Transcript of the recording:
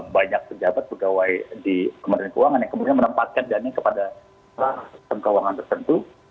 banyak pejabat pegawai di kementerian keuangan yang kemudian menempatkan dana kepada sistem keuangan tertentu